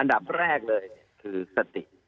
อันดับแรกเลยคือสติ